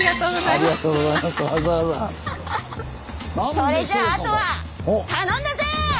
それじゃああとは頼んだぜ！